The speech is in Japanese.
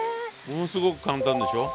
ものすごく簡単でしょ？